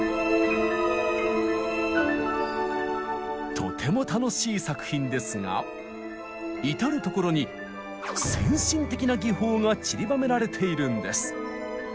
とても楽しい作品ですが至る所に先進的な技法がちりばめられているんです。